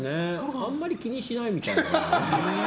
あまり気にしないみたいな。